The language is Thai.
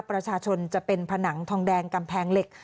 ประชาชนจะเป็นผนังทองแดงกำแพงเหล็ก